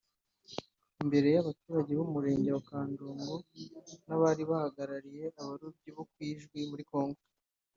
Imbere y’abaturage b’Umurenge wa Kanjongo n’abari bahagarariye abarobyi bo ku Ijwi muri Congo